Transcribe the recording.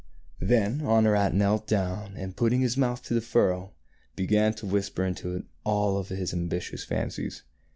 Then Honorat knelt down, and, putting his mouth to the furrow, began to whisper into it all his ambitious fancies.